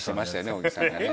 小木さんが。